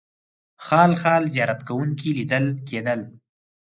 خال خال زیارت کوونکي لیدل کېدل.